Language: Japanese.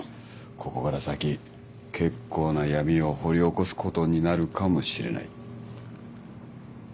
ここから先結構な闇を掘り起こすことになるかもしれない。